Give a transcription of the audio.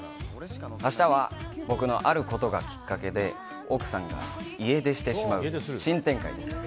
明日は僕のあることがきっかけで奥さんが家出してしまう新展開です。